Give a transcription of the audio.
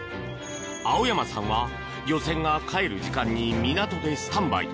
青山さんは、漁船が帰る時間に港でスタンバイ。